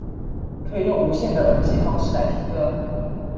可以用無線的耳機方式來聽歌